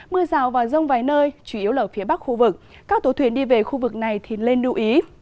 mưa rào và rông vài nơi chủ yếu là phía bắc khu vực các tổ thuyền đi về khu vực này thì lên lưu ý